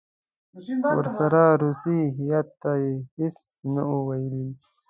ورسره روسي هیات ته یې هېڅ نه وو ویلي.